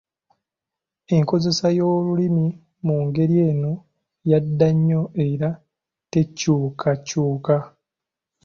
Enkozesa y'olulimi mu ngeri eno yadda nnyo era tekyukakyuka.